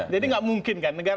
jadi nggak mungkin kan